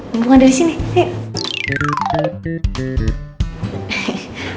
hubungan dari sini ayo